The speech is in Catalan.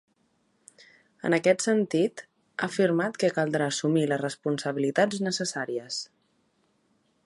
En aquest sentit, ha afirmat que caldrà assumir les responsabilitats necessàries.